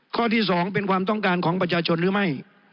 ข้อที่๒เป็นความต้องการของประชาชนหรือไม่